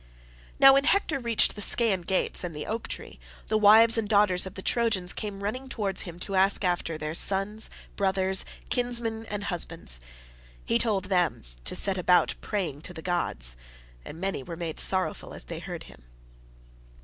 Now when Hector reached the Scaean gates and the oak tree, the wives and daughters of the Trojans came running towards him to ask after their sons, brothers, kinsmen, and husbands: he told them to set about praying to the gods, and many were made sorrowful as they heard him.